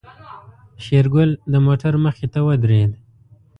شېرګل د موټر مخې ته ودرېد.